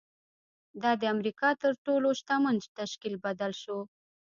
دا د امریکا تر تر ټولو شتمن تشکیل بدل شو